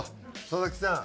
佐々木さん